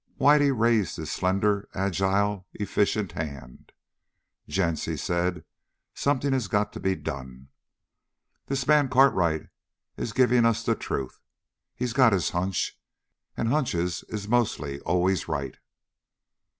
Whitey raised his slender, agile, efficient hand. "Gents," he said, "something has got to be done. This man Cartwright is giving us the truth! He's got his hunch, and hunches is mostly always right."